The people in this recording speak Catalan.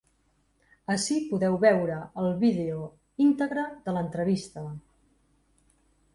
Ací podeu veure el vídeo íntegre de l’entrevista.